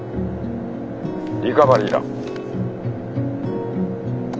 リカバリーだ。